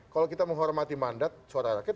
kalau kita menghormati mandat suara rakyat